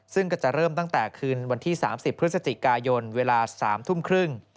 ซึ่งก็จะเริ่มตั้งแต่คืนวันที่๓๐พฤศจิกายนเวลา๓ทุ่มครึ่ง